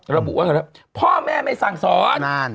ระบุว่าพ่อแม่ไม่สั่งสอน